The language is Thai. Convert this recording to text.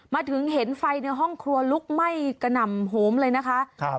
มาถึงเห็นไฟในห้องครัวลุกไหม้กระหน่ำโหมเลยนะคะครับ